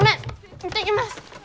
いってきます。